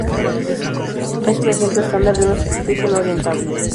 Es un ejemplo estándar de una superficie no orientable.